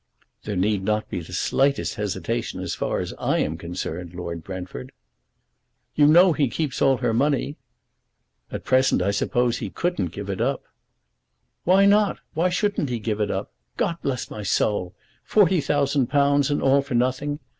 "There need not be the slightest hesitation as far as I am concerned, Lord Brentford." "You know he keeps all her money." "At present I suppose he couldn't give it up." "Why not? Why shouldn't he give it up? God bless my soul! Forty thousand pounds and all for nothing.